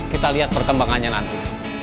kita lihat perkembangannya nanti